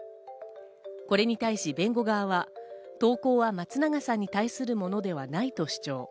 これに対し弁護側は、投稿は松永さんに対するものではないと主張。